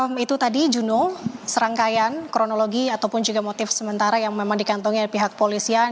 ya itu tadi juno serangkaian kronologi ataupun juga motif sementara yang memang dikantongi oleh pihak polisian